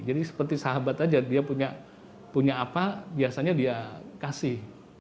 jadi seperti sahabat aja dia punya apa biasanya dia kasih